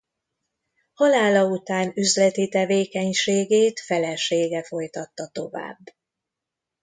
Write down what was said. Halála után üzleti tevékenységét felesége folytatta tovább.